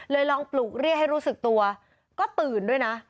ลองปลูกเรียกให้รู้สึกตัวก็ตื่นด้วยนะ